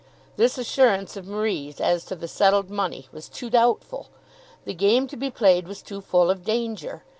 This assurance of Marie's as to the settled money was too doubtful! The game to be played was too full of danger!